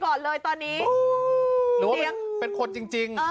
ทางผู้ชมพอเห็นแบบนี้นะทางผู้ชมพอเห็นแบบนี้นะ